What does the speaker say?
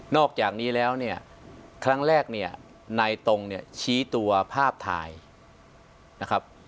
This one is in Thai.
นอกจากนี้แล้วครั้งแรกนายตรงชี้ตัวภาพถ่ายนะครับ